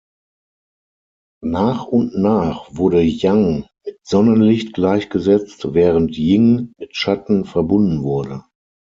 Nach und nach wurde Yang mit Sonnenlicht gleichgesetzt, während Yin mit Schatten verbunden wurde.